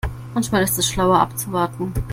Manchmal ist es schlauer abzuwarten.